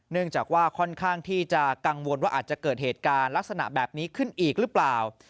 เนื่องจากว่าค่อนข้างที่จะกังวลว่าอาจจะเกิดเหตุการณ์ลักษณะแบบนี้ขึ้นอีกหรือเปล่า